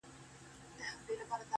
د خپل ښايسته خيال پر رنگينه پاڼه.